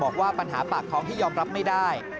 บอกว่าปัญหาปากท้องที่ยอมรับไม่ได้